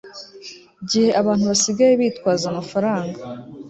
gihe abantu basigaye bitwaza amafaranga